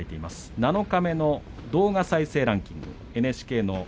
七日目の動画再生ランキング